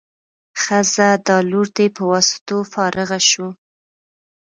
ښه ځه دا لور دې په واسطو فارغه شو.